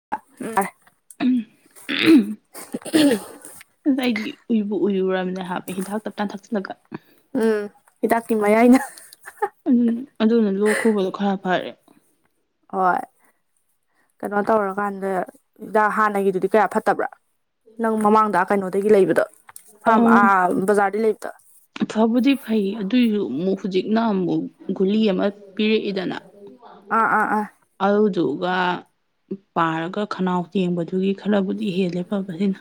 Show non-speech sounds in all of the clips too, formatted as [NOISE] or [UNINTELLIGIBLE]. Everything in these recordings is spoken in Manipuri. [UNINTELLIGIBLE] [INAUDIBLE] ꯑꯗ ꯑꯩꯗꯤ ꯎꯏ ꯎꯏꯔꯨꯔꯕꯅꯦ ꯍꯥꯏꯕ ꯍꯤꯗꯥꯛ ꯇꯞꯇꯅ ꯊꯛꯆꯜꯂꯒ ꯎꯝ ꯍꯤꯗꯥꯛꯀꯤ ꯃꯌꯥꯏꯅ ꯎꯝ ꯑꯗꯨꯅ ꯂꯣꯛ ꯈꯨꯕꯗꯣ ꯈꯔ ꯐꯔꯦ ꯍꯣꯏ ꯀꯩꯅꯣ ꯇꯧꯔꯀꯥꯟꯗ ꯍꯤꯗꯥꯛ ꯍꯥꯟꯅꯒꯤꯗꯨꯗꯤ ꯀꯌꯥ ꯐꯠꯇꯕ꯭ꯔꯥ ꯅꯪ ꯃꯃꯥꯡꯗ ꯀꯩꯅꯣꯗꯒꯤ ꯂꯩꯕꯗꯣ ꯐꯥꯔꯝ ꯑꯪ ꯕꯖꯥꯔꯗꯒꯤ ꯂꯩ ꯐꯕꯨꯗꯤ ꯐꯩ ꯑꯗꯨꯏꯁꯨ ꯑꯃꯨꯛ ꯍꯧꯖꯤꯛꯅ ꯑꯃꯨꯛ ꯒꯨꯂꯤ ꯑꯃ ꯄꯤꯔꯛꯏꯗꯅ ꯑꯥ ꯑꯥ ꯑꯥ [UNINTELLIGIBLE] [INAUDIBLE] ꯑꯗꯨꯗꯨꯒ ꯄꯥꯔꯒ ꯈꯅꯥꯎ ꯇꯦꯡꯕꯗꯨꯒꯤ ꯈꯔꯕꯨꯗꯤ ꯍꯦꯜꯂꯦ ꯐꯕꯁꯤꯅ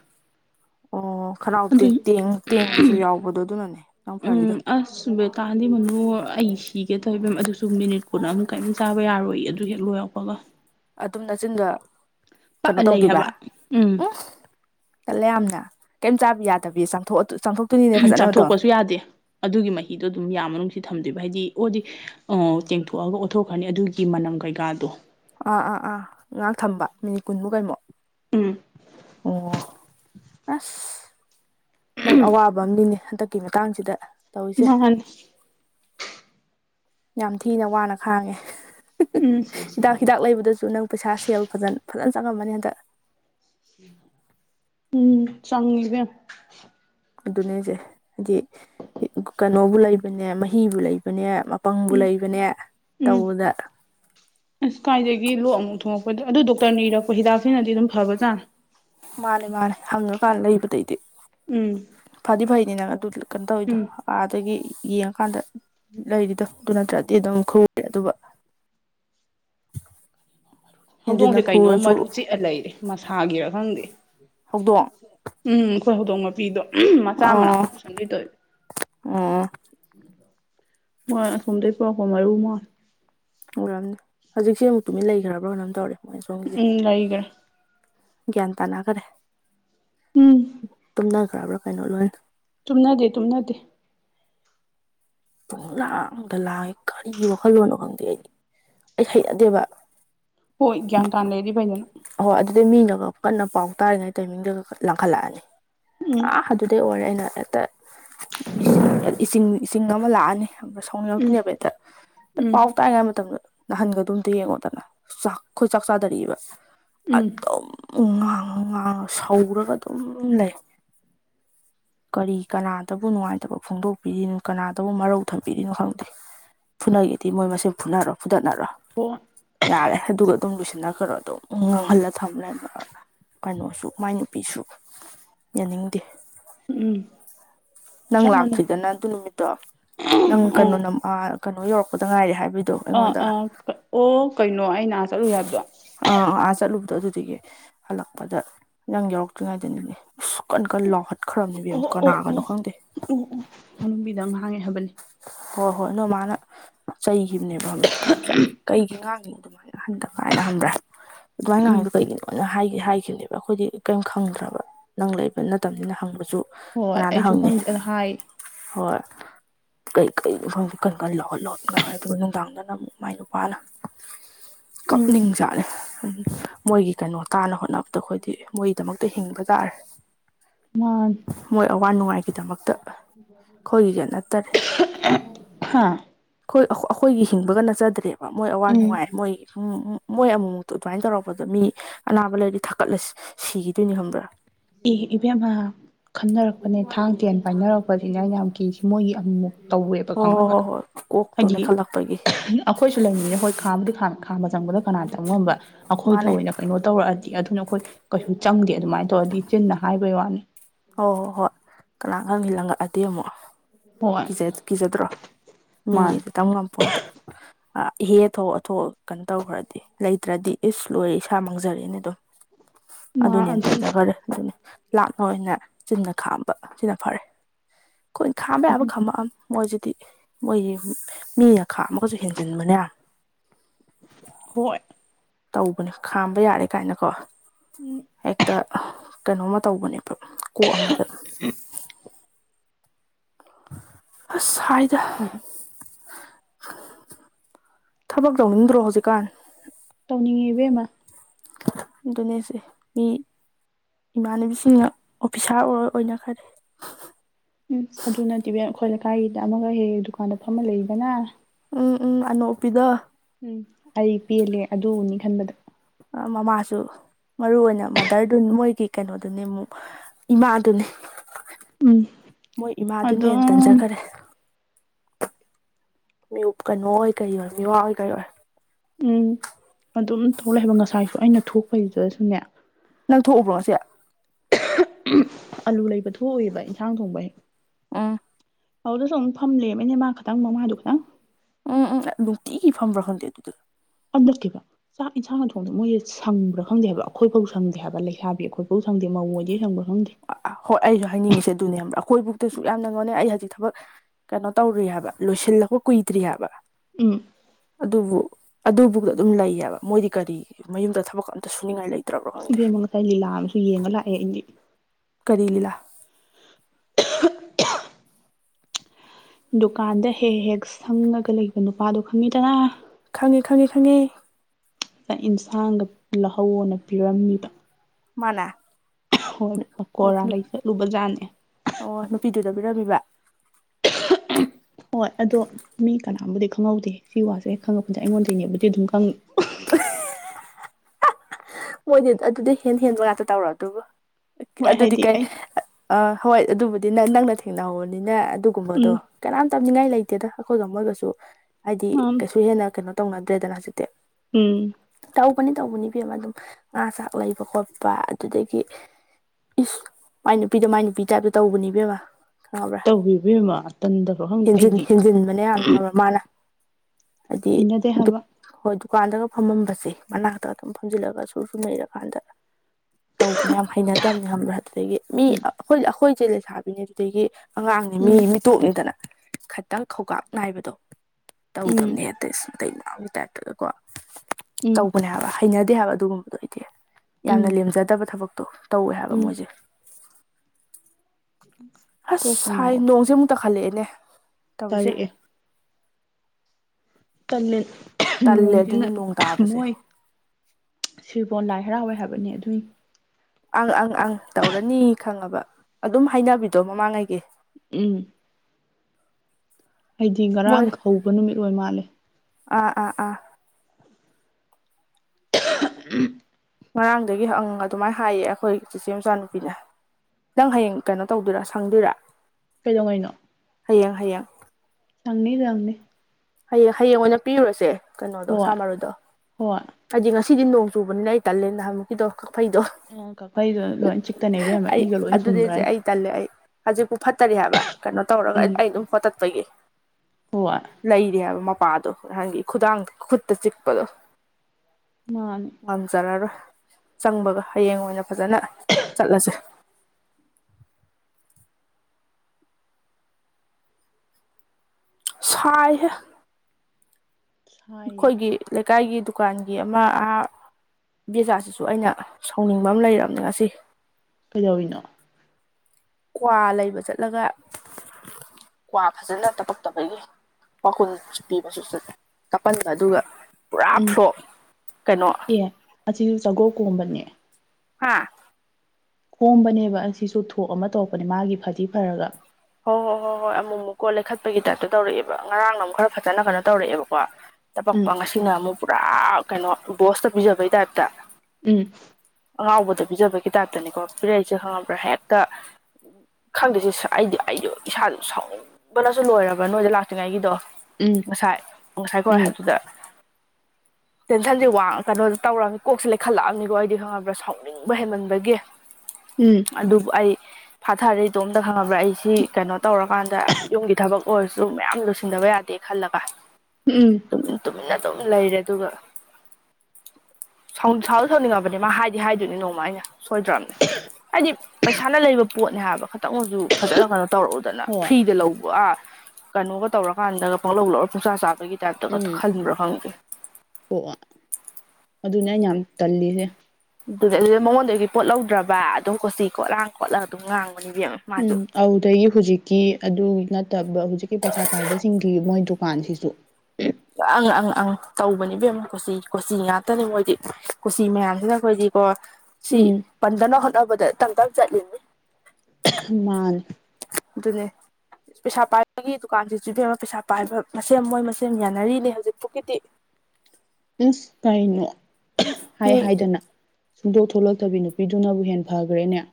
ꯑꯣ ꯈꯔ ꯑꯗꯨ ꯍꯥꯎꯦꯡ ꯇꯦꯡꯕꯁꯨ ꯌꯥꯎꯕꯗꯣ ꯑꯗꯨꯅꯅꯦ ꯅꯪ ꯐꯔꯤꯗꯣ ꯑꯁꯨꯕ ꯀꯥꯟꯗꯤ ꯃꯅꯨ ꯑꯩ ꯁꯤꯒꯦ ꯇꯧꯕꯦꯝ ꯑꯗꯨꯁꯨ ꯃꯤꯅꯤꯠ ꯀꯨꯟ ꯑꯃꯨꯛ ꯀꯔꯤꯝ ꯆꯥꯕ ꯌꯥꯔꯣꯏ ꯑꯗꯨ ꯍꯦꯛ ꯂꯣꯏꯔꯛꯄꯒ ꯑꯗꯨꯝ ꯅꯆꯤꯟꯗ ꯄꯛꯑ ꯀꯩꯅꯣ ꯂꯩ ꯇꯧꯗꯕ ꯍꯥꯏꯕ ꯎꯝ ꯀꯜꯂ ꯌꯥꯝꯅ ꯀꯔꯤꯝ ꯆꯥꯕ ꯌꯥꯗꯕꯤ ꯆꯥꯝꯊꯣꯛꯇꯣꯏꯅꯤꯅꯦ ꯎ ꯐꯖꯅꯗꯣ ꯆꯥꯝꯊꯣꯛꯄꯁꯨ ꯌꯥꯗꯦ ꯑꯗꯨꯒꯤ ꯃꯍꯤꯗꯣ ꯑꯗꯨꯝ ꯌꯥ ꯃꯅꯨꯡꯁꯤ ꯊꯝꯗꯣꯏꯕ ꯍꯥꯏꯗꯤ ꯑꯣ ꯍꯧꯖꯤꯛ ꯑ ꯇꯦꯡꯊꯣꯛꯑꯒ ꯑꯣꯠꯊꯣꯛꯈ꯭ꯔꯅꯤ ꯑꯗꯨꯒꯤ ꯃꯅꯝ ꯀꯩꯀꯥꯗꯣ ꯑꯥ ꯑꯥ ꯑꯥ ꯉꯍꯥꯛ ꯊꯝꯕ ꯃꯤꯅꯤꯠ ꯀꯨꯟꯃꯨꯛ ꯀꯩꯃꯣꯛ ꯎꯝ ꯑꯣ ꯑꯁ ꯅꯪ ꯑꯋꯥꯕ ꯑꯃꯅꯦ ꯍꯟꯗꯛꯀꯤ ꯃꯇꯥꯡꯁꯤꯗ ꯇꯧꯔꯤꯁꯦ ꯃꯥꯅꯦ ꯌꯥꯝ ꯊꯤꯅ ꯋꯥꯅ ꯈꯥꯡꯉꯦ ꯎꯝ ꯍꯤꯗꯥꯛ ꯍꯤꯗꯥꯛ ꯂꯩꯕꯗꯁꯨ ꯅꯪ ꯄꯩꯁꯥ ꯁꯦꯜ ꯐꯖꯅ ꯐꯖꯅ ꯆꯪꯉꯝꯃꯅꯤ ꯍꯟꯗꯛ ꯎꯝ ꯆꯥꯡꯒꯂꯤ ꯀ ꯑꯗꯨꯅꯦꯁꯦ ꯍꯥꯏꯗꯤ ꯀꯩꯅꯣꯕꯨ ꯂꯩꯕꯅꯦ ꯃꯍꯤꯕꯨ ꯂꯩꯕꯅꯦ ꯄꯪꯕꯨ ꯎꯝ ꯂꯩꯕꯅꯦ ꯎꯝ ꯇꯧꯕꯗ ꯑꯁ ꯀꯥꯏꯗꯒꯤ ꯂꯣꯛ ꯑꯃꯨꯛ ꯊ ꯊꯣꯛꯉꯛꯄꯗꯣ ꯑꯗꯨ ꯗꯣꯛꯇꯔꯅ ꯏꯔꯛꯄ ꯍꯤꯗꯥꯛꯁꯤꯅꯗꯤ ꯑꯗꯨꯝ ꯐꯕꯖꯥꯔꯅꯦ ꯃꯥꯅꯦ ꯃꯥꯅꯦ ꯍꯪꯉꯀꯥꯟꯗ ꯂꯩꯕꯗꯩꯗꯤ ꯎꯝ ꯐꯗꯤ ꯐꯩꯅꯤ ꯅꯪ ꯑꯗꯨ ꯀꯩꯅꯣ ꯇꯧꯋꯤꯗꯣ ꯎꯝ ꯑꯥꯗꯒꯤ ꯌꯦꯡꯉꯀꯥꯟꯗ ꯂꯩꯔꯤꯗ ꯑꯗꯨ ꯅꯠꯇ꯭ꯔꯗꯤ ꯑꯗꯨꯝ ꯈꯨꯔꯦ ꯑꯗꯨꯒ [INAUDIBLE] ꯍꯦꯟꯖꯤꯟꯅ ꯍꯧꯗꯣꯡꯁꯦ ꯀꯩꯅꯣ ꯈꯨꯔꯁꯨ ꯃꯔꯨ ꯆꯤꯛꯑ ꯂꯩꯔꯦ ꯃꯁꯥꯒꯤꯔ ꯈꯪꯗꯦ ꯍꯧꯗꯣꯛ ꯎꯝ ꯑꯩꯈꯣꯏ ꯍꯧꯗꯣꯡ ꯃꯄꯤꯗꯣ ꯃꯆꯥ ꯑꯥ ꯃꯅꯥꯛꯇ ꯄꯨꯁꯟꯗꯣꯏ ꯇꯣꯏꯅꯦ ꯑꯥ ꯃꯣꯏ ꯑꯁꯣꯝꯗ ꯐꯔꯣ ꯀꯣꯃꯔ ꯃꯣ ꯍꯈ꯭ꯔꯝꯅꯦ ꯍꯧꯖꯤꯛꯁꯦ ꯑꯃꯨꯛꯇꯨꯃꯤ ꯂꯩꯈ꯭ꯔꯕ꯭ꯔꯣꯅꯝ ꯇꯧꯔꯦ ꯃꯣꯏ ꯁꯣꯝꯒꯤꯁꯦ ꯎꯝ ꯂꯩꯒ ꯒ꯭ꯌꯥꯟ ꯇꯥꯅꯈ꯭ꯔꯦ ꯎꯝ ꯇꯨꯝꯅꯈ꯭ꯔꯕ꯭ꯔꯥ ꯀꯩꯅꯣ ꯂꯣꯏꯅ ꯇꯨꯝꯅꯗꯦ ꯇꯨꯝꯅꯗꯦ ꯇꯨꯡ ꯂꯥꯡꯗ ꯂꯥꯡꯉꯦ ꯀꯔꯤꯒꯤ ꯋꯥꯈꯜꯂꯣꯟꯅꯣ ꯈꯪꯗꯦ ꯑꯩꯗꯤ ꯑꯩ ꯍꯩꯔꯗꯦꯕ ꯍꯣꯏ ꯒ꯭ꯌꯥꯟ ꯇꯥꯅ ꯂꯩꯔꯔꯤ ꯐꯩꯗꯅ ꯍꯣꯏ ꯑꯗꯨꯗꯤ ꯃꯤꯅꯒ ꯀꯟꯅ ꯄꯥꯎ ꯇꯥꯔꯤꯉꯩ ꯇꯥꯏꯃꯤꯡꯗꯒ ꯂꯪꯈꯠꯂꯛꯑꯅꯤ ꯎꯝ ꯑꯗꯨꯗꯩ ꯑꯣꯏꯔꯦ ꯑꯩꯅ ꯍꯦꯛꯇ ꯏꯁꯤꯡ ꯏꯁꯤꯡ ꯑꯃ ꯂꯥꯛꯑꯅꯤ ꯌꯥꯝꯅ ꯎꯝ ꯁꯥꯎꯅꯤꯡꯉꯛꯇꯣꯏꯅꯦꯕ ꯍꯛꯇ ꯎꯝ ꯄꯥꯎ ꯇꯥꯛꯏꯉꯩ ꯃꯇꯝꯗ ꯅꯍꯟꯒꯗꯨ ꯑꯝꯇ ꯌꯦꯡꯉꯣꯗꯅ ꯆꯥꯛ ꯑꯩꯈꯣꯏ ꯆꯥꯛ ꯆꯥꯗꯔꯛꯏꯑꯕ ꯎꯝ ꯑꯗꯨꯝ ꯉꯥꯡꯉ ꯉꯥꯡꯉ ꯁꯧꯔꯒ ꯑꯗꯨꯝ ꯂꯩ ꯀꯔꯤ ꯀꯅꯥꯗꯕꯨ ꯅꯨꯡꯉꯥꯏꯇꯕ ꯐꯣꯡꯗꯣꯛꯄꯤꯔꯤꯅꯣ ꯀꯅꯥꯗꯕꯨ ꯃꯔꯧ ꯊꯝꯕꯤꯔꯤꯅꯣ ꯈꯪꯗꯦ ꯐꯨꯅꯈꯤꯗꯤ ꯃꯣꯏ ꯃꯁꯦ ꯐꯨꯅꯔꯣ ꯐꯨꯗꯠꯅꯔꯣ ꯀꯣ ꯌꯥꯔꯦ ꯑꯗꯨꯒ ꯑꯗꯨꯝ ꯂꯣꯏꯁꯤꯟꯅꯈ꯭ꯔꯣ ꯑꯗꯨꯝ ꯉꯥꯡꯍꯜꯂ ꯊꯝꯅꯦꯕ ꯀꯩꯅꯣꯁꯨ ꯃꯥꯏ ꯅꯨꯨꯄꯤꯁꯨ ꯌꯥꯅꯤꯡꯗꯦ ꯎꯝ ꯅꯪ ꯆꯞ ꯃꯥꯟꯅꯩ ꯂꯥꯛꯇ꯭ꯔꯤꯗꯅ ꯑꯗꯨ ꯅꯨꯃꯤꯠꯇꯣ ꯅꯪ ꯀꯩꯅꯣ ꯎꯝ ꯅ ꯀꯩꯅꯣ ꯌꯧꯔꯛꯄꯗ ꯉꯥꯏꯔꯦ ꯍꯥꯏꯕ ꯑꯥ ꯑꯥ ꯑꯣ ꯀꯩꯅꯣ ꯑꯩꯩꯅꯍ ꯆꯠꯂꯨꯏ ꯍꯥꯏꯕꯗꯣ ꯑꯥ ꯑ ꯑꯥ ꯆꯠꯂꯨꯕꯗꯣ ꯑꯗꯨꯗꯒꯤ ꯍꯜꯂꯛꯄꯗ ꯅꯪ ꯌꯥꯎꯔꯛꯇ꯭ꯔꯤꯉꯩꯗꯅꯤꯅꯦ ꯎꯁ ꯀꯟ ꯀꯟ ꯂꯥꯎꯈꯠ ꯑꯣ ꯑꯣ ꯑꯣ ꯑꯣ ꯑꯣ ꯃꯅꯨꯡꯕꯤꯗ ꯉꯥꯡꯉꯦ ꯍꯥꯏꯕꯅꯤ ꯍꯣꯏ ꯍꯣꯏ ꯅꯣ ꯃꯥꯅ ꯆꯩꯈꯤꯕꯅꯦꯕ ꯈꯪꯕ꯭ꯔꯥ ꯏꯟꯗꫭꯝ ꯆꯥ ꯀꯩꯒꯤ ꯉꯥꯡꯉꯅꯣ ꯑꯗꯨꯃꯥꯏꯅ ꯑꯍꯥꯟꯗ ꯀꯥꯏꯅ ꯈꯪꯕ꯭ꯔꯥ ꯑꯗꯨꯃꯥꯏꯅ ꯎꯝ ꯉꯥꯡꯏꯗꫭ ꯀꯩꯒꯤꯅꯣ ꯁꯨꯃꯥꯏꯅ ꯍꯥꯏꯒ ꯍꯥꯏꯈꯤꯕꯅꯦꯕ ꯑꯩꯈꯣꯏꯗꯤ ꯀꯩꯝ ꯈꯪꯗ꯭ꯔꯕ ꯅꯪ ꯂꯩꯕ ꯅꯠꯇꯕꯅꯤꯅ ꯍꯪꯕꯁꯨ ꯍꯣꯏ ꯀꯅꯥꯗ ꯑꯩꯁꯨ ꯍꯪꯅꯤ ꯈꯪꯗꯦ ꯑꯗꯨ ꯍꯥꯏ ꯍꯣꯏ ꯀꯩ ꯀꯔꯤꯅꯣ ꯈꯪꯗꯦ ꯀꯟ ꯀꯟ ꯂꯧꯍꯠ ꯂꯧꯍꯠ ꯉꯥꯡꯉꯦ ꯑꯗꯨꯒ ꯅꯨꯡꯗꯥꯡꯗ ꯑꯃꯨꯛ ꯃꯥꯏ ꯅꯨꯄꯥꯅ [INAUDIBLE] ꯎꯝ ꯀꯞꯅꯤꯡꯖꯥꯠꯅꯤ ꯃꯣꯏꯒꯤ ꯀꯩꯅꯣ ꯇꯥꯅ ꯍꯣꯠꯅꯕꯗ ꯑꯩꯈꯣꯏꯗꯤ ꯃꯣꯏꯒꯤꯗꯃꯛꯇ ꯍꯤꯡꯕ ꯇꯥꯔꯦ ꯃꯥꯅꯤ ꯃꯣꯏ ꯑꯋꯥ ꯅꯨꯡꯉꯥꯏ ꯒꯤꯗꯃꯛꯇ ꯑꯩꯈꯣꯏꯒꯤꯒ ꯅꯠꯇꯔꯦ ꯍꯥꯥ ꯑꯩꯈꯣꯏ ꯑꯩꯈꯣꯏꯒꯤ ꯍꯤꯡꯕꯒ ꯅꯠꯆꯗ꯭ꯔꯦꯕ ꯃꯣꯏ ꯑꯋꯥ ꯎꯝ ꯅꯨꯡꯉꯥꯏ ꯃꯣꯏꯁꯨꯝ ꯃꯣꯏ ꯑꯃꯨꯃꯨꯛ ꯑꯗꯨꯃꯥꯏꯅ ꯇꯧꯔꯛꯄꯗ ꯃꯤ ꯑꯅꯥꯕ ꯂꯩꯔꯗꯤ ꯊꯛꯀꯠꯂ ꯁꯤꯈꯤꯗꯣꯏꯅꯤ ꯈꯪꯕ꯭ꯔꯥ ꯑꯦ ꯏꯕꯦꯝꯃ ꯈꯟꯅꯔꯛꯄꯅꯦ ꯊꯥꯡ ꯇꯦꯟ ꯄꯥꯏꯅꯔꯛꯄꯁꯤꯅꯦ ꯑꯩꯅ ꯌꯥꯝ ꯀꯤꯁꯤ ꯃꯣꯏꯒꯤ ꯑꯃꯨꯃꯨꯛ ꯇꯧꯋꯦꯕ ꯍꯣꯏ ꯍꯣꯏ ꯈꯪꯉꯕ ꯍꯣꯏ ꯍꯣꯏ ꯀꯣꯛꯇꯣ ꯍꯥꯏꯗꯤ ꯂꯩꯈꯠꯂꯛꯄꯒꯤ ꯑꯩꯈꯣꯏꯁꯨ ꯂꯩꯃꯤꯅꯩ ꯍꯣꯏ ꯈꯥꯝꯕꯨꯗꯤ ꯈꯥꯝꯃꯤ ꯈꯥꯝꯕ ꯆꯪꯕꯗ ꯀꯅꯥꯅ ꯇꯝ ꯉꯝꯕ ꯑꯩꯈꯣꯏꯗ ꯃꯥꯅꯦ ꯑꯣꯏꯅ ꯀꯩꯅꯣ ꯇꯧꯔꯛꯑꯗꯤ ꯑꯗꯨꯅ ꯑꯩꯈꯣꯏ ꯀꯩꯁꯨ ꯆꯪꯗꯦ ꯑꯗꯨꯃꯥꯏꯅ ꯇꯧꯔꯗꯤ ꯆꯤꯟꯅ ꯍꯥꯏꯕꯩ ꯋꯥꯅꯤ ꯍꯣꯏ ꯍꯣꯏ ꯍꯣꯏ ꯀꯅꯥ ꯈꯪꯅꯤ ꯂꯪꯉꯛꯑꯗꯤ ꯑꯃꯨꯛ ꯍꯣꯏ ꯀꯤꯖ ꯀꯤꯖꯗ꯭ꯔꯣ ꯃꯤ ꯃꯥꯅꯤ ꯇꯝ ꯉꯝꯄꯣꯟꯇꯦ ꯑ ꯏꯍꯦ ꯊꯣꯛ ꯊꯣꯛ ꯀꯩꯅꯣ ꯇꯧꯈ꯭ꯔꯗꯤ ꯂꯩꯇ꯭ꯔꯗꯤ ꯏꯁ ꯂꯣꯏꯔꯦ ꯏꯁꯥ ꯃꯥꯡꯖꯔꯦꯅꯦ ꯑꯗꯨꯝ ꯃꯥ ꯑꯗꯨꯅꯍꯦꯟꯅꯥ ꯑꯗꯨ ꯇꯟꯖꯈ꯭ꯔꯦ ꯑꯗꯨꯅꯦ ꯂꯥꯞꯅ ꯑꯣꯏꯅ ꯆꯤꯟꯅ ꯈꯥꯝꯕ ꯁꯤꯅ ꯐꯔꯦ ꯈꯣꯏ ꯈꯥꯝꯕ ꯌꯥꯕ ꯈꯥꯝꯃꯛꯑꯝꯅꯦ ꯃꯣꯏꯁꯤꯗꯤ ꯃꯣꯏꯒꯤ ꯃꯤꯅ ꯈꯥꯝꯃꯥꯒꯁꯨ ꯍꯦꯟꯖꯤꯟꯕꯅꯦ ꯌꯥꯝ ꯍꯣꯏ ꯇꯧꯕꯅꯦ ꯈꯥꯝꯕ ꯌꯥꯔꯦ ꯀꯥꯏꯅꯀꯣ ꯎꯝ ꯍꯦꯛꯇ ꯀꯩꯅꯣꯝꯃ ꯇꯧꯕꯅꯦ ꯀꯣꯛ ꯑꯃꯗ ꯑꯁ ꯍꯥꯏ [UNINTELLIGIBLE] ꯊꯕꯛ ꯇꯧꯅꯤꯡꯗ꯭ꯔꯣ ꯍꯧꯖꯤꯛꯀꯥꯟ ꯇꯧꯅꯤꯡꯉꯦ ꯏꯕꯦꯝꯃ ꯑꯗꯨꯅꯦꯁꯦ ꯃꯤ ꯏꯃꯥꯟꯅꯕꯤꯁꯤꯡꯅ ꯑꯣꯐꯤꯁꯥꯔ ꯑꯣꯏ ꯑꯣꯏꯅꯈꯔꯦ ꯎꯝ ꯑꯗꯨ ꯅꯠꯇꯦ ꯏꯕꯦꯝꯃ ꯑꯩꯈꯣꯏ ꯂꯩꯀꯥꯏꯗ ꯑꯃꯒ ꯍꯦꯛ ꯍꯦꯛ ꯗꯨꯀꯥꯟꯗ ꯐꯝꯃ ꯂꯩꯗꯅ ꯎꯝ ꯎꯝ ꯑꯅꯣꯞ ꯎꯞꯄꯤꯗꯣ ꯎꯝ ꯑꯩ ꯄꯦꯜꯂꯦ ꯑꯗꯨ ꯎꯅꯤ ꯈꯟꯕꯗ ꯃꯃꯥꯁꯨ ꯃꯔꯨ ꯑꯣꯏꯅ ꯃꯥꯗꯔꯗꯨ ꯃꯣꯏꯒꯤ ꯀꯩꯅꯣꯗꯨꯅꯤ ꯑꯃꯨꯛ ꯏꯃꯥꯗꯨꯅꯤ ꯎꯝ ꯃꯣꯏ ꯏꯃꯥꯗꯨꯅ ꯍꯦꯟꯅ ꯑꯗꯨꯝ ꯇꯟꯖꯈꯔꯦ ꯃꯤꯌ ꯀꯩꯅꯣ ꯑꯣꯏ ꯀꯔꯤ ꯑꯣꯏ ꯃꯤꯋꯥ ꯑꯣꯏ ꯀꯔꯤ ꯑꯣꯏ ꯎꯝ ꯑꯗꯨꯝ ꯊꯣꯛꯂꯩ ꯍꯥꯏꯕ ꯉꯁꯥꯏꯁꯨ ꯑꯩꯅ ꯊꯣꯛꯄꯩꯗꯨꯗꯁꯨꯅꯦ ꯅꯪ ꯊꯣꯛꯎꯕ꯭ꯔꯣ ꯉꯁꯤ ꯑꯜꯂꯨ ꯂꯩꯕ ꯊꯣꯛꯎꯏꯕ ꯌꯦꯟꯁꯥꯡ ꯊꯣꯡꯕꯩ ꯎꯝ ꯑꯗꯨꯗꯁꯨ ꯑꯃꯨꯛ ꯐꯝ ꯂꯩꯔꯝꯃꯦꯅꯦ ꯃꯥꯈꯛꯇꯪ ꯃꯃꯥꯗꯨ ꯈꯛꯇꯪ ꯎꯝ ꯎꯝ ꯅꯨꯡꯇꯤꯒꯤ ꯐꯝꯕ꯭ꯔꯥ ꯈꯪꯗꯦ ꯑꯗꯨꯗ [UNINTELLIGIBLE] ꯇꯦꯕ ꯆꯥꯛ ꯌꯦꯟꯁꯥꯡꯒꯥ ꯊꯣꯡꯕꯗ ꯃꯣꯏ ꯁꯪꯕ꯭ꯔꯥ ꯈꯪꯗꯦ ꯍꯥꯏꯕ ꯑꯩꯈꯣꯏꯐꯥꯎ ꯁꯪꯗꯦ ꯍꯥꯏꯕ ꯂꯩꯁꯥꯕꯤ ꯑꯩꯈꯣꯏꯐꯥꯎ ꯁꯪꯗꯦ ꯃꯧ ꯃꯣꯏꯗꯤ ꯁꯪ꯭ꯕ꯭ꯔꯥ ꯈꯪꯗꯦ ꯑ ꯍꯣꯏ ꯑꯩꯁꯨ ꯍꯥꯏꯅꯤꯡꯉꯤꯁꯦ ꯑꯗꯨꯅꯦ ꯈꯪꯕ꯭ꯔꯥ ꯑꯩꯈꯣꯏꯕꯨꯛꯇꯥ ꯁꯨꯛꯌꯥꯝ ꯌꯦꯡꯉꯣꯅꯦ ꯑꯩ ꯍꯧꯖꯤꯛ ꯊꯕꯛ ꯀꯩꯅꯣ ꯇꯧꯔꯤ ꯍꯥꯏꯕ ꯂꯣꯏꯁꯤꯜꯂꯛꯄ ꯀꯨꯏꯗ꯭ꯔꯤ ꯍꯥꯏꯕ ꯎꯝ ꯑꯗꯨꯕꯨ ꯑꯗꯨꯕꯨꯛꯗ ꯑꯗꯨꯝ ꯂꯩꯌꯦꯕ ꯃꯣꯏꯗꯤ ꯀꯔꯤ ꯃꯌꯨꯝꯗ ꯊꯕꯛ ꯀꯥ ꯑꯝꯇ ꯁꯨꯅꯤꯡꯉꯥꯏ ꯂꯩ ꯏꯁ ꯏꯕꯦꯝꯃꯥ ꯉꯁꯥꯏ ꯂꯤꯂꯥ ꯑꯃꯁꯨ ꯌꯦꯡꯉ ꯂꯥꯛꯑꯦ ꯑꯩꯗꯤ ꯀꯔꯤ ꯂꯤꯂꯥ [UNINTELLIGIBLE] ꯗꯨꯀꯥꯟꯗ ꯍꯦꯛ ꯍꯦꯛ ꯁꯪꯉꯒ ꯂꯩꯕ ꯅꯨꯄꯥꯗꯣ ꯈꯪꯉꯤꯗꯅ ꯈꯪꯉꯦ ꯈꯪꯉꯦ ꯈꯪꯉꯦ ꯏꯟꯁꯥꯡꯒ ꯂꯧꯍꯧꯅ ꯄꯤꯔꯝꯃꯤꯕ ꯃꯥꯅ ꯍꯣꯏ ꯄꯥꯀꯣꯔꯥ ꯂꯩ ꯆꯠꯂꯨꯕ ꯖꯥꯠꯅꯦ ꯑꯣ ꯅꯨꯄꯤꯗꯨꯗ ꯄꯤꯔꯃꯤꯕ ꯍꯣꯏ ꯑꯗꯣ ꯃꯤ ꯀꯅꯥꯝꯕꯨꯗꯤ ꯈꯪꯍꯧꯗꯦ ꯁꯤ ꯋꯥꯁꯦ ꯍꯦꯛ ꯈꯪꯉꯛꯄꯗ ꯑꯩꯉꯣꯟꯗꯒꯤꯅꯦꯕꯨꯗꯤ ꯑꯗꯨꯝ ꯈꯪꯅꯤ [UNINTELLIGIBLE] ꯃꯣꯏꯗꯤ ꯑꯗꯨꯗꯤ ꯍꯦꯟ ꯍꯦꯟꯕ ꯉꯥꯛꯇ ꯇꯧꯔꯣ ꯑꯗꯨꯕꯨ ꯍꯣꯏ ꯑꯗꯨꯗꯤ ꯍꯥꯏꯗꯤ ꯀꯩ ꯑꯩ ꯑꯥ ꯍꯣꯏ ꯑꯗꯨꯕꯨꯗꯤ ꯅꯪ ꯅꯪꯅ ꯊꯦꯡꯅꯍꯧꯕꯅꯤꯅ ꯑꯗꯨꯒꯨꯝꯕꯗꯣ ꯎꯝ ꯀꯅꯥꯝ ꯇꯝꯅꯤꯡꯉꯥꯏ ꯂꯩꯇꯦꯗ ꯑꯩꯈꯣꯏꯒ ꯃꯣꯏꯒꯁꯨ ꯍꯥꯏꯗꯤ ꯎꯝ ꯀꯩꯁꯨ ꯍꯦꯟꯅ ꯀꯩꯅꯣ ꯇꯧꯅꯗ꯭ꯔꯦꯗꯅ ꯍꯧꯖꯤꯛꯇꯤ ꯎꯝ ꯇꯧꯕꯅꯤ ꯇꯧꯕꯅꯤ ꯐꯤ ꯑꯃ ꯑꯗꯨꯝ ꯉꯥ ꯆꯥꯛ ꯂꯩꯕ ꯈꯣꯠꯄ ꯑꯗꯨꯗꯒꯤ ꯏꯁ ꯃꯥꯏ ꯅꯨꯄꯤꯗ ꯃꯥꯏ ꯅꯨꯄꯤ ꯇꯥꯏꯞꯇ ꯇꯧꯕꯅꯦꯕꯦꯝꯕ ꯇꯧꯋꯦ ꯏꯕꯦꯝꯃ ꯇꯟꯗꯕ꯭ꯔꯣ ꯈꯪꯗꯦ ꯈꯥꯎꯕ꯭ꯔꯥꯦꯟꯟ ꯑꯩꯗꯤ ꯍꯦꯟꯖꯤꯟꯕꯅꯦ ꯌꯥꯝ ꯉꯥꯎꯕ꯭ꯔꯥ ꯃꯥꯅ ꯍꯥꯏꯗꯤ ꯍꯩꯅꯗꯦ ꯍꯥꯏꯕ ꯍꯣꯏ ꯗꯨꯀꯥꯟꯗꯒ ꯐꯝꯃꯝꯕꯁꯦ ꯃꯅꯥꯛꯇ ꯑꯗꯨꯝ ꯐꯝꯖꯤꯜꯂꯒꯁꯨ ꯁꯨ ꯁ ꯂꯩꯩꯔꯀꯥꯟꯗ ꯇꯧꯕꯅꯦ ꯌꯥꯝ ꯍꯩꯅꯗꯕꯅꯤ ꯈꯕ꯭ꯔꯥ ꯑꯗꯒꯤ ꯃꯤ ꯎꯝ ꯑꯩꯈꯣꯏ ꯑꯩꯈꯣꯏ ꯆꯦꯂ ꯁꯥꯕꯤꯅꯔꯤ ꯑꯗꯒꯤ ꯑꯉꯥꯡꯅꯤ ꯃꯤ ꯎꯝ ꯃꯤꯇꯣꯞꯅꯤꯗꯅ ꯈꯤꯇꯪ ꯈꯧꯒꯥꯛ ꯅꯥꯏꯕꯗꯣ ꯎꯝ ꯇꯧꯗꯕꯅꯦ ꯍꯦꯛꯇ ꯁ ꯑꯇꯩ ꯃꯅꯥꯎꯒꯤ ꯇꯥꯏꯞꯇꯒꯀꯣ ꯎꯝ ꯇꯧꯕꯅꯦ ꯍꯥꯏꯕ ꯍꯩꯅꯗꯦ ꯍꯥꯏꯕ ꯑꯗꯨꯒꯨꯝꯕꯗꯣ ꯑꯩꯗꯤ ꯌꯥꯝꯅ ꯎꯝ ꯂꯦꯝꯖꯗꯕ ꯊꯕꯛꯇꯣ ꯇꯧꯋꯦ ꯍꯥꯏꯕ ꯎꯝ ꯃꯣꯏꯁꯦ [UNINTELLIGIBLE] ꯑꯁ ꯍꯥꯏ ꯉꯥꯎꯋꯦ ꯅꯣꯡꯁꯦ ꯑꯃꯨꯛ ꯇꯥꯈꯠꯂꯛꯑꯦꯅꯦ ꯇꯧꯔꯤꯁꯦ ꯇꯥꯔꯛꯑꯦ ꯇꯜꯂꯦ ꯇꯜꯂꯦ ꯅꯣꯡꯁꯤꯅ ꯑꯗꯨꯅꯤ ꯅꯣꯡ ꯇꯥꯕꯁꯦ ꯃꯣꯏ ꯁꯤꯔꯕꯣꯟ ꯂꯥꯏ ꯍꯔꯥꯎꯋꯦ ꯍꯥꯏꯕꯅꯤ ꯑꯗꯨꯏ ꯑꯪ ꯑꯪ ꯑꯪ ꯇꯧꯔꯅꯤ ꯈꯪꯉꯕ ꯑꯗꯨꯝ ꯍꯥꯏꯅꯕꯤꯗꯣ ꯃꯃꯥꯡꯉꯩꯒꯤ ꯎꯝ ꯑꯩꯗꯤ ꯃꯣꯏ ꯉꯔꯥꯡ ꯍꯧꯕ ꯅꯨꯃꯤꯠ ꯑꯣꯏ ꯃꯥꯜꯂꯦ ꯑꯥ ꯑꯥ ꯑꯥ [UNINTELLIGIBLE] ꯉꯔꯥꯡꯗꯒꯤꯪ ꯑꯗꯨꯃꯥꯏꯅ ꯍꯥꯏꯌꯦ ꯑꯩꯈꯣꯏ ꯆꯤꯆ ꯃꯆꯥ ꯅꯨꯨꯄꯤꯅ ꯅꯪ ꯍꯌꯦꯡ ꯀꯩꯅꯣ ꯇꯧꯗꯣꯏꯔꯥ ꯁꯪꯗꯣꯏꯔꯥ ꯀꯩꯗꯧꯉꯩꯅꯣ ꯍꯌꯦꯡ ꯍꯌꯦꯡ ꯁꯪꯅꯤ ꯁꯪꯅꯤ ꯍꯌꯦꯡ ꯍꯌꯦꯡ ꯑꯣꯏꯅ ꯄꯤꯔꯨꯔꯁꯦ ꯀꯩꯅꯣꯗꯣ ꯁꯥ ꯍꯣꯏ ꯃꯔꫭꯏꯗꯣ ꯍꯣꯏ ꯍꯥꯏꯗꯤ ꯉꯁꯤꯗꯤ ꯅꯣꯡ ꯆꯨꯕꯅꯤꯅ ꯑꯩ ꯇꯜꯂꯦ ꯅꯍꯥꯟꯃꯨꯛꯀꯤꯗꯣ ꯀꯛꯐꯩꯗꯣ ꯎ ꯀꯈꯩꯒꯣ ꯂꯣꯏꯅ ꯆꯤꯛꯛꯇꯅꯦꯕ ꯌꯥꯝꯃ ꯑꯩ ꯏꯒ ꯂꯣꯏ ꯑꯗꯨꯅꯦꯁꯦ ꯁꯨꯝꯈ꯭ꯔꯅꯤ ꯑꯩ ꯇꯜꯂꯦ ꯑꯩ ꯍꯧꯖꯤꯛꯄꯨ ꯐꯠꯇꯔꯤ ꯍꯥꯏꯕ ꯀꯩꯅꯣ ꯇꯧꯔꯒ ꯎꯝ ꯑꯩ ꯑꯗꯨꯝ ꯍꫭꯠꯇꯠꯄꯒꯤ [UNINTELLIGIBLE] ꯂꯩꯔꯦ ꯍꯥꯏꯕ ꯃꯄꯥꯗꯣ ꯅꯍꯒꯤ ꯈꯨꯗꯥꯡ ꯈꯨꯠꯇ ꯆꯤꯛꯄꯗꯣ ꯃꯥꯅꯤ ꯉꯝꯖꯔꯔꯣꯏ ꯆꯪꯕꯒ ꯍꯌꯦꯡ ꯑꯣꯏꯅ ꯐꯖꯅ ꯆꯠꯂꯁꯦ ꯁꯥꯏꯍꯦ ꯁꯥꯏꯌꯦ ꯑꯩꯈꯣꯏꯒꯤ ꯂꯩꯀꯥꯏꯒꯤ ꯗꯨꯀꯥꯟꯒꯤ ꯑꯃ ꯑꯥ ꯕꯦꯖꯥꯔꯁꯤꯁꯨ ꯑꯩꯅ ꯁꯥꯎꯅꯤꯡꯕ ꯑꯃ ꯂꯩꯔꯕꯅꯤ ꯉꯁꯤ ꯀꯩꯗꯧꯔꯤꯅꯣ ꯀ꯭ꯋꯥ ꯂꯩꯕ ꯆꯠꯂꯒ ꯀ꯭ꯋꯥ ꯐꯖꯅ ꯇꯄꯛꯇꯕꯒꯤ ꯋꯥꯈꯨꯜ ꯄꯤꯕꯁꯨ ꯀꯥꯞꯄꯟꯕ ꯑꯗꯨꯒ ꯄꯨꯔꯥ ꯎꯝ ꯐ꯭ꯂꯣꯞ ꯀꯩꯅꯣ ꯑꯦ ꯑꯁꯤꯁꯨ ꯆꯒꯣꯜ ꯀꯣꯝꯕꯅꯦ ꯍꯥꯥ ꯈꯣꯝꯕꯅꯦꯕ ꯑꯁꯤꯁꯨ ꯊꯣꯛ ꯑꯃ ꯇꯧꯔꯛꯄꯅꯦ ꯃꯥꯒꯤ ꯐꯗꯤ ꯐꯔꯒ ꯫ ꯍꯣꯏ ꯍꯣꯏ ꯍꯣꯏ ꯍꯣꯏ ꯑꯃꯨꯛ ꯑꯃꯨꯛꯀꯣ ꯂꯩꯈꯠꯄꯒꯤ ꯇꯥꯏꯞꯇ ꯇꯧꯔꯛꯑꯦꯕ ꯉꯔꯥꯡ ꯑꯃꯨꯛ ꯈꯔ ꯐꯖꯅ ꯀꯩꯅꯣ ꯇꯧꯔꯛꯑꯦꯕꯀꯣ ꯫ ꯎꯝ ꯇꯕꯛꯄ ꯉꯁꯤꯅ ꯑꯃꯨꯛ ꯄꯨꯔꯥ ꯀꯩꯅꯣ ꯕꯣꯁꯇ ꯄꯤꯖꯕꯩ ꯇꯥꯏꯞꯇ ꯫ ꯎꯝ ꯑꯉꯥꯎꯕꯗ ꯄꯤꯖꯕꯒꯤ ꯇꯥꯏꯞꯇꯅꯤꯀꯣ ꯄꯤꯔꯛꯏꯁꯦ ꯈꯪꯉꯕ꯭ꯔꯥ ꯍꯦꯛꯇ ꯫ ꯈꯪꯗꯦꯁꯦ ꯑꯩꯗꯤ ꯑꯩꯗꯤ ꯏꯁꯥꯁꯦ ꯁꯥꯎꯅꯤꯡꯕꯅꯁꯨ ꯂꯣꯏꯔꯕ ꯅꯣꯏꯗ ꯂꯥꯛꯇ꯭ꯔꯤꯉꯩꯒꯤꯗꯣ ꯎꯝ ꯫ ꯉꯁꯥꯏ ꯉꯁꯥꯏꯀꯣ ꯎꯝ ꯍꯥꯏꯕꯗꯨꯗ ꯇꯦꯟꯁꯟꯁꯦ ꯋꯥꯡꯉ ꯀꯩꯅꯣ ꯇꯧꯔꯃꯤ ꯀꯣꯛꯁꯦ ꯂꯩꯈꯠꯂꯛꯑꯕꯅꯤꯀꯣ ꯑꯩꯗꯤ ꯈꯪꯉꯕ꯭ꯔꯥ ꯁꯥꯎꯅꯤꯡꯕ ꯍꯦꯟꯃꯟꯕꯒꯦ ꯫ [INAUDIBLE] ꯎꯝ ꯑꯗꯨꯕꯨ ꯑꯩ ꯐꯥꯊꯔ ꯏꯇꯣꯝꯇ ꯈꯪꯉꯕ꯭ꯔꯥ ꯑꯩ ꯁꯤ ꯀꯩꯅꯣ ꯇꯧꯔꯀꯥꯟꯗ ꯌꯨꯝꯒꯤ ꯊꯕꯛ ꯑꯣꯏꯔꯁꯨ ꯃꯌꯥꯝ ꯂꯣꯏꯁꯤꯟꯗꯕ ꯌꯥꯗꯦ ꯈꯜꯂꯒ ꯫ ꯎꯝ ꯇꯨꯃꯤꯟꯅ ꯑꯗꯨꯝ ꯂꯩꯔꯦ ꯑꯗꯨꯒ ꯁꯥꯎ ꯁꯥꯎꯅꯤꯡꯉꯕꯅꯦ ꯃꯥ ꯍꯥꯏꯗꯤ ꯍꯥꯏꯗꯣꯏꯅꯦ ꯅꯣꯡꯃ ꯑꯩꯅ ꯫ ꯁꯣꯏꯗ꯭ꯔꯕꯅꯦ ꯍꯥꯏꯗꯤ ꯄꯩꯁꯥꯅ ꯂꯩꯕ ꯄꯣꯠꯅꯦ ꯍꯥꯏꯕ ꯈꯤꯇꯪꯑꯣꯏꯁꯨ ꯫ ꯐꯖꯅ ꯀꯩꯅꯣ ꯇꯧꯔꯛꯎꯗꯅ ꯍꯣꯏ ꯐ꯭ꯔꯤꯗ ꯂꯧꯕ ꯑꯥ ꯀꯩꯅꯣꯒ ꯇꯧꯔꯀꯥꯟꯗꯒ ꯄꯥꯛꯂꯧ ꯂꯧꯔ ꯄꯪꯆꯥ ꯆꯥꯕꯒꯤ ꯀꯞꯇꯒ ꯎꯝ ꯈꯟꯕ꯭ꯔꯣ ꯈꯪꯗꯦ ꯑꯗꯨꯅꯦ ꯌꯥꯝ ꯇꯜꯂꯤꯁꯦ ꯑꯗꯨꯗ ꯑꯗꯨꯗ ꯃꯉꯣꯟꯗꯒꯤ ꯄꯣꯠ ꯂꯧꯗ꯭ꯔꯕ ꯑꯗꯨꯝ ꯀꯣꯆꯤ ꯀꯣꯠꯂꯥꯡ ꯈꯣꯠꯂꯒ ꯑꯗꯨꯝ ꯉꯥꯡꯕꯅꯤ ꯏꯕꯦꯝꯃ ꯫ ꯎꯝ ꯑꯗꯨꯗꯒꯤ ꯍꯧꯖꯤꯛꯀꯤ ꯑꯗꯨ ꯅꯠꯇꯕ ꯍꯧꯖꯤꯛꯀꯤ ꯄꯩꯁꯥ ꯄꯥꯏꯕꯁꯤꯡꯒꯤ ꯃꯣꯏ ꯗꯨꯀꯥꯟꯁꯤꯁꯨ ꯫ [INAUDIBLE] ꯑꯪ ꯑꯪ ꯑꯪ ꯇꯧꯕꯅꯤ ꯏꯕꯦꯝꯃ ꯀꯣꯆꯤ ꯀꯣꯆꯤ ꯉꯥꯛꯇꯅꯦ ꯃꯣꯏꯗꯤ ꯀꯣꯆꯤ ꯃꯌꯥꯝꯁꯤꯅ ꯑꯩꯈꯣꯏꯗꯤ ꯫ ꯑꯣ ꯁꯤ ꯎꯝ ꯄꯟꯗꯅ ꯍꯣꯠꯅꯕꯗ ꯁꯤ ꯇꯞ ꯇꯞ ꯆꯠꯂꯤꯅꯤ ꯫ ꯃꯥꯅꯤ ꯑꯗꯨꯅꯦ ꯄꯩꯁꯥ ꯄꯥꯏꯕꯒꯤ ꯗꯨꯀꯥꯟꯁꯤꯁꯨ ꯏꯕꯦꯝꯃ ꯄꯩꯁꯥ ꯄꯥꯏꯕ ꯃꯁꯦꯝ ꯃꯣꯏ ꯃꯁꯦꯝ ꯌꯥꯅꯔꯤꯅꯦ ꯍꯧꯖꯤꯛꯐꯥꯎꯀꯤꯗꯤ ꯫ ꯏꯁ ꯀꯔꯤꯅꯣ ꯍꯥꯏ ꯃꯤ ꯍꯥꯏꯗꯅ ꯁꯨꯡꯗꯣꯛ ꯊꯣꯛꯂꯛꯇꯕꯤ ꯅꯨꯄꯤꯗꯨꯅꯕꯨ ꯍꯦꯟꯅ ꯐꯈ꯭ꯔꯦꯅꯦ ꯫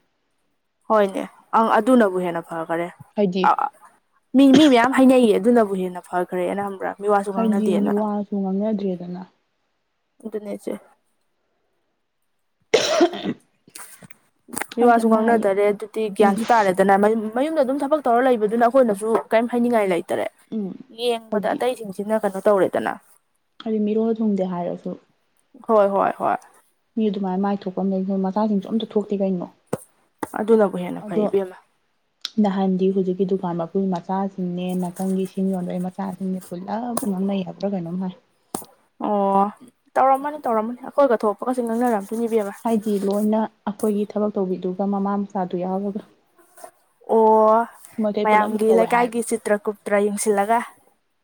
ꯍꯣꯏꯅꯦ ꯑꯪ ꯑꯗꯨꯅꯕꯨ ꯍꯦꯟꯅ ꯐꯈꯔꯦ ꯍꯥꯏꯗꯤ ꯑꯥ ꯃꯤ ꯃꯤ ꯃꯌꯥꯝ ꯍꯥꯏꯅꯩꯌꯦ ꯑꯗꯨꯅꯕꯨ ꯍꯦꯟꯅ ꯐꯈ꯭ꯔꯦ ꯍꯥꯏꯅꯈꯪꯕꯔꯥ ꯫ ꯍꯥꯏꯗꯤ ꯃꯤ ꯋꯥꯁꯨ ꯉꯥꯡꯅꯗ꯭ꯔꯦꯗꯅ ꯑꯗꯨꯅꯁꯦ ꯫ [UNINTELLIGIBLE] ꯍꯥꯏꯁꯦ ꯃꯤꯋꯥꯁꯨ ꯃꯥꯏ ꯉꯥꯡꯅꯗꯔꯦ ꯑꯗꯨꯗꯤ ꯎꯝ ꯒ꯭ꯌꯥꯟꯁꯨ ꯇꯥꯔꯦ ꯗꯅ ꯃꯌꯨꯝꯗ ꯑꯗꯨꯝ ꯊꯕꯛ ꯇꯧꯔ ꯂꯩꯕꯗꯨꯅ ꯑꯩꯈꯣꯏꯅꯁꯨ ꯀꯔꯤꯝ ꯍꯥꯏꯅꯤꯡꯉꯥꯏ ꯂꯩꯇꯔꯦ ꯎꯝ ꯫ ꯌꯦꯡꯕꯗ ꯍꯥꯏꯗꯤ ꯑꯇꯩꯁꯤꯡꯁꯤꯅ ꯀꯩꯅꯣ ꯇꯧꯔꯦꯗꯅ ꯍꯥꯏꯗꯤ ꯃꯤꯔꯣꯜ ꯊꯣꯡꯗꯦ ꯍꯥꯏꯔꯁꯨ ꯫ ꯍꯣꯏ ꯍꯣꯏ ꯍꯣꯏ ꯃꯤ ꯑꯗꯨꯃꯥꯏꯅ ꯃꯥꯏ ꯊꯣꯛꯄ ꯑꯃ ꯂꯩ ꯃꯆꯥꯁꯤꯡꯁꯨ ꯑꯝꯇ ꯊꯣꯛꯇꯦ ꯀꯩꯅꯣ ꯫ ꯑꯗꯨꯅꯕꯨ ꯍꯦꯟꯅ ꯐꯩ ꯏꯕꯦꯝꯃꯥ ꯅꯍꯥꯟꯗꯤ ꯍꯧꯖꯤꯛꯀꯤ ꯗꯨꯀꯥꯟ ꯃꯄꯨꯒꯤ ꯃꯆꯥꯁꯤꯡꯅꯦ ꯅꯥꯀꯟꯒꯤ ꯁꯤꯡ ꯌꯣꯟꯕꯒꯤ ꯃꯆꯥꯁꯤꯡꯅꯦ ꯄꯨꯂꯞ ꯉꯥꯡꯅꯩ ꯍꯥꯏꯕ꯭ꯔꯥ ꯀꯩꯅꯣꯝ ꯍꯥꯏ ꯫ ꯑꯣ ꯇꯧꯔꯝꯃꯅꯤ ꯇꯧꯔꯝꯃꯅꯤ ꯑꯩꯈꯣꯏꯒ ꯊꯣꯛꯄꯒꯁꯦ ꯉꯪꯅꯔꯝꯗꯨ ꯏꯕꯦꯝꯃ ꯫ ꯍꯥꯏꯗꯤ ꯂꯣꯏꯅ ꯑꯩꯈꯣꯏꯒꯤ ꯊꯕꯛ ꯇꯧꯕꯤꯗꯨꯒ ꯃꯃꯥ ꯃꯆꯥꯗꯨ ꯌꯥꯎꯔꯒ ꯑꯣ ꯃꯣꯏꯈꯩ ꯄꯨꯂꯞ ꯃꯌꯥꯝꯒꯤ ꯂꯩꯍꯧꯋꯦ ꯍꯥꯏꯕ ꯂꯩꯀꯥꯏꯒꯤ ꯆꯤꯇ꯭ꯔ ꯀꯨꯞꯇ꯭ꯔ ꯌꯦꯡꯁꯤꯜꯂꯒ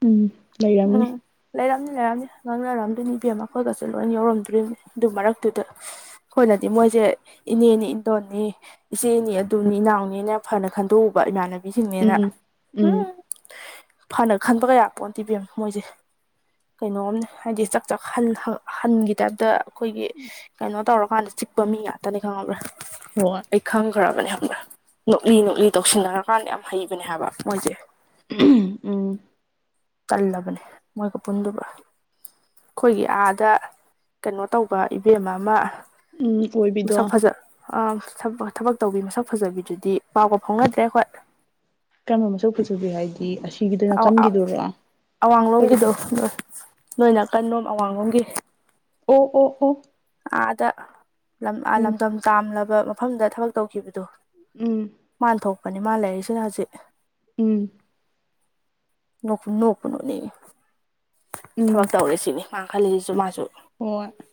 ꯎꯝ ꯂꯩꯔꯝꯅꯤ ꯎꯝ ꯂꯩꯔꯝꯅꯤ ꯂꯩꯔꯝꯅꯤ ꯉꯥꯡꯅꯔꯝꯗꯣꯏꯅꯤ ꯏꯕꯦꯝꯃ ꯃꯈꯣꯏꯒꯁꯦ ꯂꯣꯏ ꯌꯧꯔꯝꯗ꯭ꯔꯤꯅꯤ ꯑꯗꯨ ꯃꯔꯛꯇꯨꯗ꯫ ꯑꯩꯈꯣꯏꯅꯗꯤ ꯃꯣꯏꯁꯦ ꯏꯅꯦꯅꯤ ꯏꯟꯗꯣꯟꯅꯤ ꯏꯆꯦꯅꯤ ꯑꯗꯨꯅꯤ ꯏꯅꯥꯎꯅꯤꯅꯦ ꯐꯅ ꯈꯟꯗꯣꯛꯎꯕ ꯏꯃꯥꯟꯅꯕꯤꯁꯤꯡꯅꯦꯅ ꯎꯝ ꯎꯝ ꯐꯅ ꯈꯟꯕꯒ ꯌꯥꯄꯣꯟꯇꯤ ꯕꯦꯝꯃ ꯃꯣꯏꯁꯦ ꯀꯩꯅꯣꯝꯅꯦ ꯍꯥꯏꯗꯤ ꯆꯥꯛ ꯆꯥꯛ ꯍꯟꯒꯤ ꯇꯥꯏꯞꯇ ꯑꯩꯈꯣꯏꯒꯤ ꯀꯩꯅꯣ ꯇꯧꯔꯀꯥꯟꯗ ꯆꯤꯛꯄ ꯃꯤ ꯉꯥꯛꯇꯅꯤ ꯈꯪꯉꯕ꯭ꯔꯥ ꯑꯩ [UNINTELLIGIBLE] ꯈꯪꯈ꯭ꯔꯕꯅꯦ ꯍꯥꯏꯕꯅ ꯅꯣꯛꯂꯤ ꯅꯣꯛꯂꯤ ꯇꯧꯁꯤꯟꯅꯔꯀꯥꯟꯗ ꯌꯥꯝ ꯍꯩꯕꯅꯦ ꯍꯥꯏꯕ ꯃꯣꯏꯁꯦ ꯎꯝ ꯇꯜꯂꯕꯅꯦ ꯃꯣꯏꯒ ꯄꯨꯟꯗꯨꯕ ꯑꯩꯈꯣꯏꯒꯤ ꯑꯥꯗ ꯀꯩꯅꯣ ꯇꯧꯕ ꯏꯕꯦꯝ ꯑꯃ ꯎꯝ [UNINTELLIGIBLE] ꯃꯁꯛ ꯐꯖ ꯊꯕꯛ ꯇꯧꯕꯤ ꯃꯁꯛ ꯐꯖꯕꯤꯗꯨꯗꯤ ꯄꯥꯎꯕꯥꯎ ꯐꯥꯎꯅꯗ꯭ꯔꯦ ꯑꯩꯈꯣꯏ ꯀꯔꯝꯕ ꯃꯁꯨ ꯄꯨꯁꯨꯨꯒ ꯍꯥꯏꯗꯤ ꯑꯁꯤꯒꯤꯗꯣ ꯅꯥꯀꯟꯒꯤꯗꯨꯔꯣ ꯑꯩꯈꯣꯏ ꯑꯋꯥꯡꯂꯣꯝꯒꯤꯗꯣ ꯂꯩꯀꯥꯏ ꯅꯣꯏ ꯅꯀꯂꯣꯝ ꯑꯋꯥꯡꯂꯣꯝꯒꯤ ꯑꯣ ꯑꯣ ꯑꯣ ꯑꯥꯗ ꯎꯝ ꯂꯝꯗꯝ ꯇꯥꯝꯂꯕ ꯃꯐꯝꯗ ꯊꯕꯛ ꯇꯧꯈꯤꯕꯗꯣ ꯎꯝ ꯃꯥꯥꯟ ꯊꯣꯛꯄꯅꯤ ꯃꯥ ꯂꯩꯔꯤꯁꯤꯗ ꯍꯧꯖꯤꯛ ꯎꯝ ꯅꯣꯛꯀꯅꯨ ꯊꯕꯛ ꯎꯝ ꯇꯧꯔꯦ ꯁꯤꯅꯤ ꯃꯥ ꯈꯜꯂꯤꯁꯤꯁꯨ ꯃꯥꯁꯨ [UNINTELLIGIBLE]